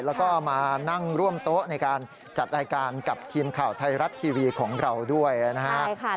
แล้วก็มานั่งร่วมโต๊ะในการจัดรายการกับทีมข่าวไทยรัฐทีวีของเราด้วยนะครับ